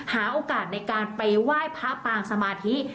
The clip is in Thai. หาโอกาสในการไปไหว้พระปางสมาธิ